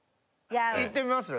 いってみます？